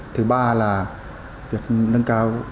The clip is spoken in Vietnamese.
thứ ba là việc nâng cao